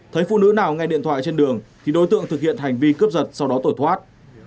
thấy phụ nữ nào nghe điện thoại trên đường thì đối tượng thực hiện hành vi cướp giật sau đó tổ thoát